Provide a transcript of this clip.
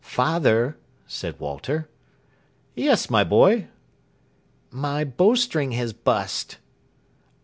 "Father," said Walter. "Yes, my boy?" "My bow string has bust."